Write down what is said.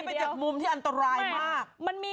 ไปจากมุมที่อันตรายมาก